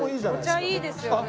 お茶いいですよね。